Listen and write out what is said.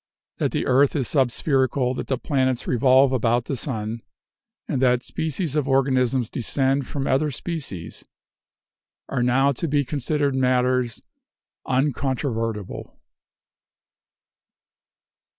That the earth is subspherical, that the planets revolve about the sun, and that species of organisms descend from other species, are now to be considered matters uncontrovertible.